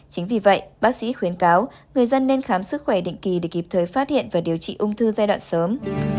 chính vì vậy bác sĩ khuyến cáo người dân nên khám sức khỏe định kỳ để kịp thời phát hiện và điều trị ung thư giai đoạn sớm